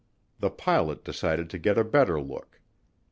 The pilot decided to get a better look.